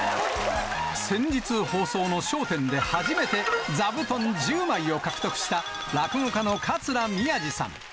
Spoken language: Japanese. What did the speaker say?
先日放送の笑点で初めて座布団１０枚を獲得した、落語家の桂宮治さん。